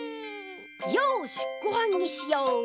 よしごはんにしよう！